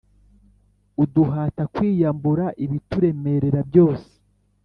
uduhata kwiyambura ibituremerera byose.